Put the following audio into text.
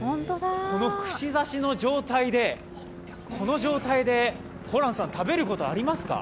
この串刺しの状態で、この状態でホランさん、食べることありますか？